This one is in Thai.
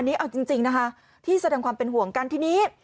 อันนี้เอาจริงนะคะที่แสดงความเป็นห่วงกันทีนี้